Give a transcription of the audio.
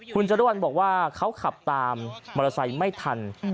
คุณจรวรรณบอกว่าเขาขับตามมอเตอร์ไซค์ไม่ทัน